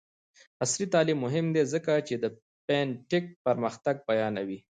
عصري تعلیم مهم دی ځکه چې د فین ټیک پرمختګ بیانوي.